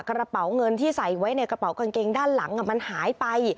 กระเป๋าเงินที่ใส่ไว้ในกระเป๋ากางเกงด้านหลังมันหายไป